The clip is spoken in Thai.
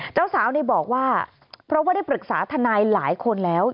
เจ้าสาวนี่บอกว่าเพราะว่าได้ปรึกษาทนายหลายคนแล้ว